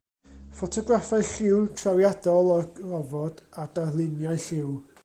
Ffotograffau lliw trawiadol o'r gofod, a darluniau lliw.